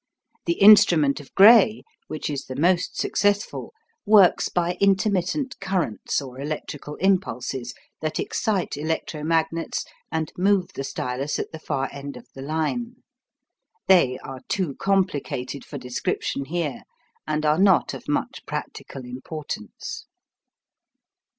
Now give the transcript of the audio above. The instrument of Gray, which is the most successful, works by intermittent currents or electrical impulses, that excite electro magnets and move the stylus at the far end of the line. They are too complicated for description here, and are not of much practical importance.